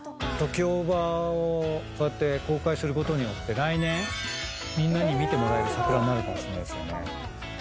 ＴＯＫＩＯーＢＡをこうやって公開することによって、来年、みんなに見てもらえる桜になるかもしれないですね。